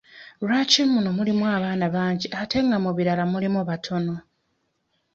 Lwaki muno mulimu abaana bangi ate nga mu birala mulimu batono?